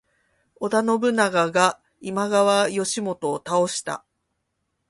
織田信長が今川義元を倒した。